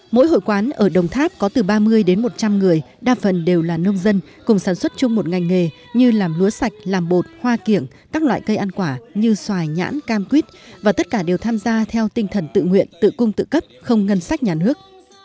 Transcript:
mỗi hội quán ở đồng tháp có từ ba mươi đến một trăm linh người đa phần đều là nông dân cùng sản xuất chung một ngành nghề như làm lúa sạch làm bột hoa kiểng các loại cây ăn quả như xoài nhãn cam quýt và tất cả đều tham gia theo tinh thần tự nguyện tự cung tự cấp không ngân sách nhàn hước